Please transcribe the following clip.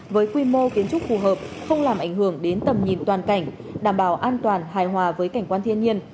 với quy mô kiến trúc phù hợp không làm ảnh hưởng đến tầm nhìn toàn cảnh đảm bảo an toàn hài hòa với cảnh quan thiên nhiên